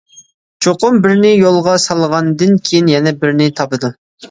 چوقۇم بىرنى يولغا سالغاندىن كىيىن يەنە بىرنى تاپىدۇ.